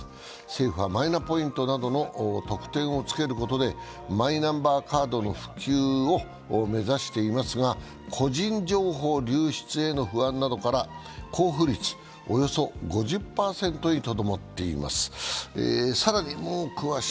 政府はマイナポイントなどの特典をつけることでマイナンバーカードの普及を目指していますが個人情報流出への不安などから交付率、およそ５０％にとどまっています。